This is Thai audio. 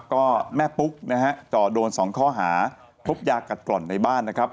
ก็แม่ปุ๊กนะฮะจ่อโดน๒ข้อหาพบยากัดกร่อนในบ้านนะครับ